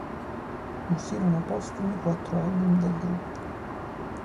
Uscirono postumi quattro album del gruppo.